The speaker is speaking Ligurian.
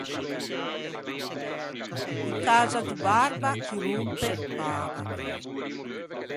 In casa do barba chi rompe paga.